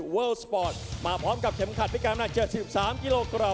วอลสปอร์ตมาพร้อมกับเห็นจะพิการดังกะสิบ๓กิโลกรัม